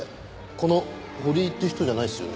この堀井っていう人じゃないですよね？